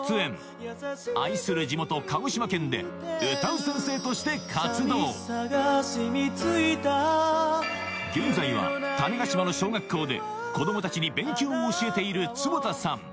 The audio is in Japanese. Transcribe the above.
鹿児島県で歌う先生として活動現在は種子島の小学校で子供たちに勉強を教えている坪田さん